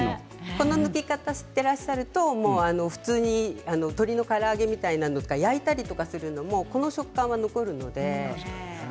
この抜き方をしていらっしゃると普通に鶏のから揚げとか焼いたりするのもこの食感が残るので。